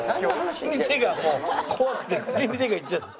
手がもう怖くて口に手がいっちゃって。